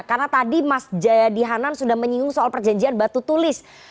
karena tadi mas jayadi hanan sudah menyinggung soal perjanjian batu tulis